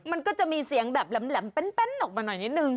มันก็จะมีเสียงแบบแหลมแป้นออกมาหน่อยนิดนึง